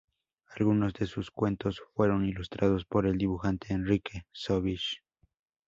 Algunos de sus cuentos fueron ilustrados por el dibujante Enrique Sobisch.